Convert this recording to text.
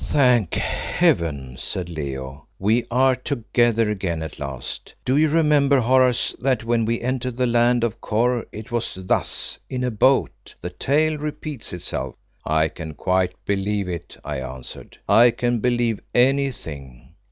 "Thank Heaven," said Leo, "we are together again at last! Do you remember, Horace, that when we entered the land of Kôr it was thus, in a boat? The tale repeats itself." "I can quite believe it," I answered. "I can believe anything.